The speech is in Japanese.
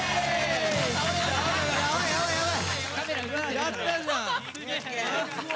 やったじゃん。